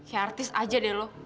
ya artis aja deh lo